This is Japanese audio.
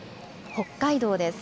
北海道です。